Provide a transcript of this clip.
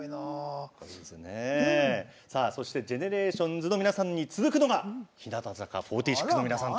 そしてＧＥＮＥＲＡＴＩＯＮＳの皆さんに続くのが日向坂４６の皆さん